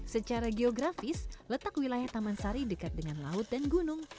secara geografis letak wilayah taman sari dekat dengan laut dan gunung